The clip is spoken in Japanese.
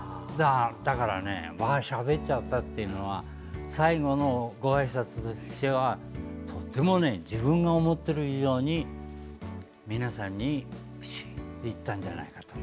だからしゃべっちゃったっていうのは最後のごあいさつとしてはとても自分が思っている以上に皆さんにいったんじゃないかと。